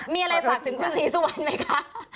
มีอะไรฝากถึงคุณศรีสุวรรณไหมคะ